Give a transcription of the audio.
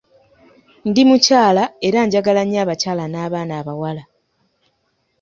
Ndi mukyala era njagala nnyo abakyala n’abaana abawala.